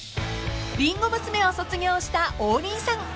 ［りんご娘を卒業した王林さん］